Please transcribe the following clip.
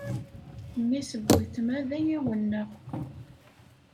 Mmi-s n weltma d ayaw-nneƔ.